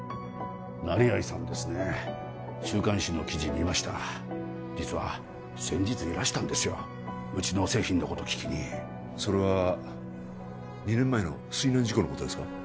成合さんですね週刊誌の記事見ました実は先日いらしたんですようちの製品のことを聞きにそれは２年前の水難事故のことですか？